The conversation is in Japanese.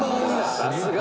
「さすが」